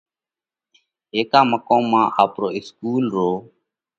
هيڪا مقوم مانه آپرو اِسڪُول رو